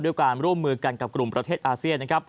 ด้วยการร่วมมือกันกับกลุ่มประเทศอาเซียน